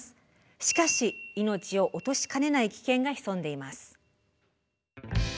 しかし命を落としかねない危険が潜んでいます。